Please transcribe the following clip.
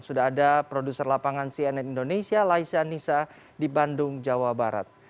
sudah ada produser lapangan cnn indonesia laisa nisa di bandung jawa barat